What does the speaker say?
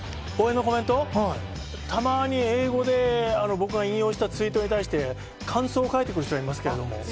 たまに英語で僕が引用したツイートに関して感想を書いてくる人はいますけど。